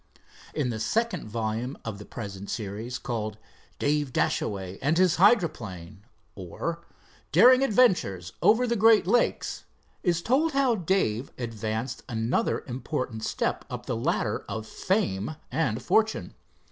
In the second volume of the present series, called, "Dave Dashaway and His Hydroplane; Or, Daring Adventures Over the Great Lakes," is told how Dave advanced another important step up the ladder of fame and fortune.